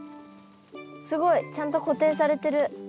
すごいちゃんと固定されてる。